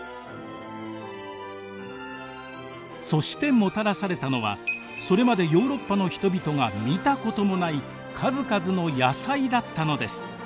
そしてもたらされたのはそれまでヨーロッパの人々が見たこともない数々の野菜だったのです。